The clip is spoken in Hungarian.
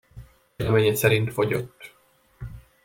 Véleménye szerint fogyott.